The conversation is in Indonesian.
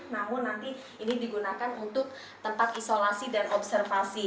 namun nanti ini digunakan untuk tempat isolasi dan observasi